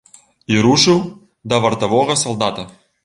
І рушыў да вартавога салдата.